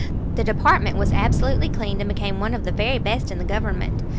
The department was absolutely cleaned and became one of the very best in the Government.